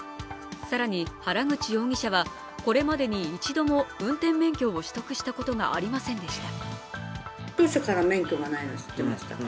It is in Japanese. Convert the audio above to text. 更に原口容疑者はこれまでに一度も運転免許を取得したことがありませんでした。